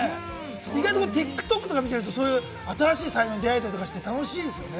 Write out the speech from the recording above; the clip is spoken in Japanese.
意外とＴｉｋＴｏｋとかでみられると新しい才能に出会えたりして楽しいですよね。